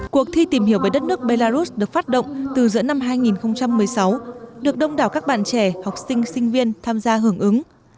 cuộc thi tìm hiểu về đất nước belarus được phát động từ giữa năm hai nghìn một mươi sáu được đông đảo các bạn trẻ học sinh sinh viên tham gia hưởng ứng